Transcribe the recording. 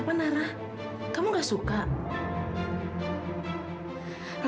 ibu aku mau ke rumah